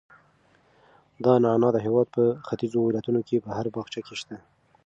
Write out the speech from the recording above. دا نعناع د هېواد په ختیځو ولایتونو کې په هر باغچه کې شته.